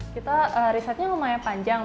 kita risetnya lumayan panjang